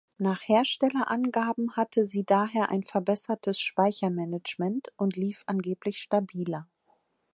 Nach Herstellerangaben hatte sie daher ein verbessertes Speichermanagement und lief angeblich stabiler.